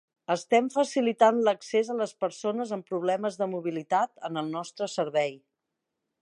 Estem facilitant l'accés a les persones amb problemes de mobilitat en el nostre servei.